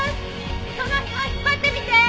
その紐引っ張ってみて！